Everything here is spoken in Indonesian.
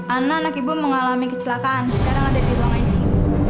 anak anak ibu mengalami kecelakaan sekarang ada di ruang icu